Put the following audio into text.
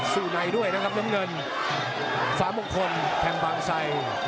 สู้ในด้วยนะครับน้ำเงินฟ้ามงคลแทงบางไซ